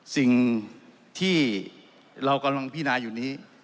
สิ่งที่เรากำลังพินาอยู่นี้